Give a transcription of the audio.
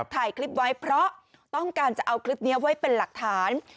ถ่ายคลิปไว้เพราะต้องการจะเอาคลิปนี้ไว้เป็นหลักฐาน